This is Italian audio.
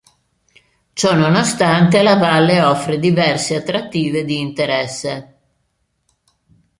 Ciò nonostante, la valle offre diverse attrattive di interesse.